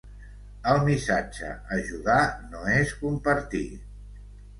El missatge Ajudar no és compartir.